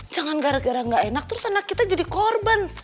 jangan gara gara gak enak terus anak kita jadi korban